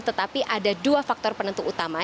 tetapi ada dua faktor penentu utama